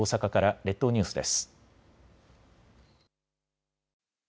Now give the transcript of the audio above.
列島ニュースです。